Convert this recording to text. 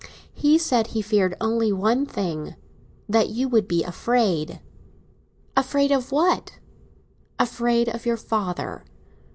He said he feared only one thing—that you would be afraid." "Afraid of what?" "Afraid of your father."